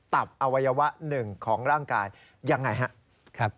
ตับอวัยวะหนึ่งของร่างกายยังไงครับ